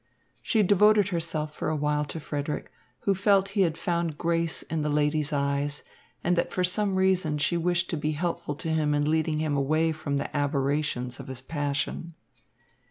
She devoted herself for a while to Frederick, who felt he had found grace in the lady's eyes and that for some reason she wished to be helpful to him in leading him away from the aberrations of his passion.